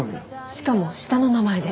しかも下の名前で。